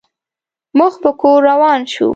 مخ په کور روان شوم.